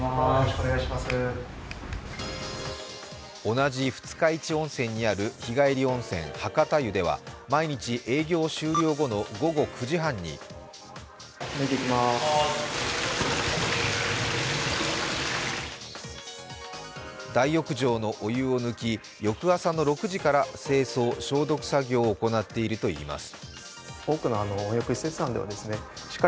同じ二日市温泉にある日帰り温泉・博多湯では毎日、営業終了後の午後９時半に大浴場のお湯を抜き翌朝の６時から清掃・消毒作業を行っているといいます。